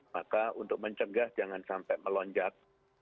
maka untuk mencegah jangan sampai melonjak